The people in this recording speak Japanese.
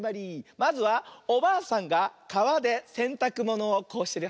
まずはおばあさんがかわでせんたくものをこうしてる。